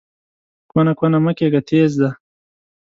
کونه کونه مه کېږه، تېز ځه!